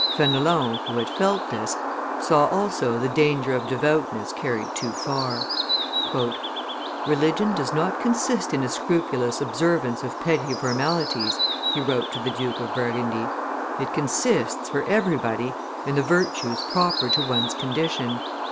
Fenelon, who had felt this, saw also the danger of devoutness carried too far. "Religion does not consist in a scrupulous observance of petty formalities," he wrote to the Duke of Burgundy; "it consists, for everybody, in the virtues proper to one's condition.